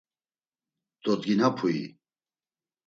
Dodginapui?